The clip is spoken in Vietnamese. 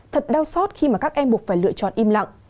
thật đau xót khi mà các em buộc phải lựa chọn im lặng